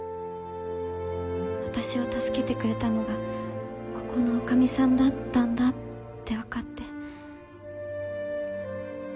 私を助けてくれたのがここのおかみさんだったんだって分かって。